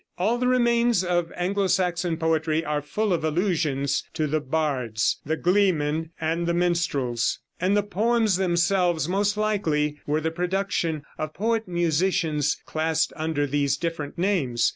All the remains of Anglo Saxon poetry are full of allusions to the bards, the gleemen and the minstrels; and the poems themselves, most likely, were the production of poet musicians classed under these different names.